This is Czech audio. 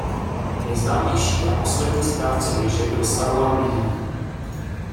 Nejznámější a poslední správce věže byl Saruman Bílý.